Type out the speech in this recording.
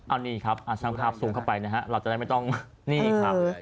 อันนี้ครับช่างภาพซูมเข้าไปนะฮะเราจะได้ไม่ต้องนี่ครับ